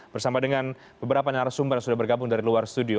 bersama dengan beberapa narasumber yang sudah bergabung dari luar studio